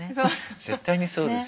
絶対にそうですよ。